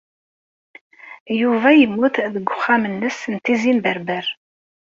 Yuba yemmut deg uxxam-nnes n Tizi n Berber.